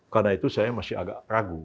karena itu saya masih agak ragu